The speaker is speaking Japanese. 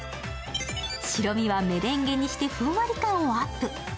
白身はメレンゲにして、ふんわり感をアップ。